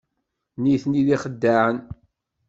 Nitni d ixeddaɛen.